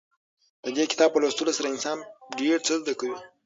د دې کتاب په لوستلو سره انسان ډېر څه زده کوي.